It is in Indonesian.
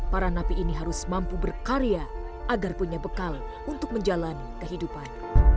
para napi ini harus mampu berkarya agar punya bekal untuk menjalani kehidupan